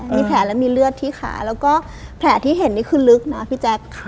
มีแผลและมีเลือดที่ขาแล้วก็แผลที่เห็นนี่คือลึกนะพี่แจ๊ค